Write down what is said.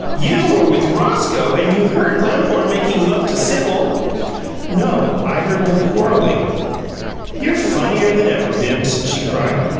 "You were with ROSCOE and you heard Lamhorn making love to Sibyl!" "No. I heard them quarreling." "You're funnier than ever, Bibbs!" she cried.